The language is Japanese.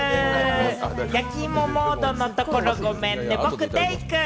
やきいもモードのところごめんね、僕、デイくん！